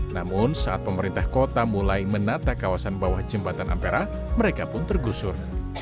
namun saat pemerintah kota mulai menata kawasan bawah jembatan ampera mereka pun tergusur